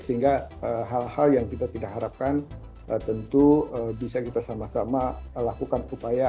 sehingga hal hal yang kita tidak harapkan tentu bisa kita sama sama lakukan upaya